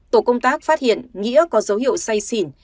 tổ công tác phát hiện nghĩa có dấu hiệu say xỉn